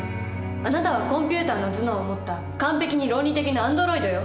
あなたはコンピューターの頭脳を持った完璧に論理的なアンドロイドよ。